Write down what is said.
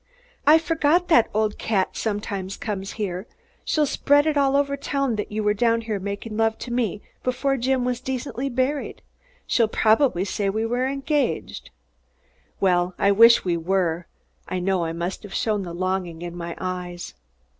"I forgot that old cat sometimes comes here. She'll spread it all over town that you were down here making love to me before Jim was decently buried. She'll probably say we're engaged." "Well, I wish we were." I know I must have shown my longing in my eyes.